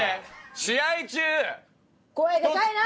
試合中。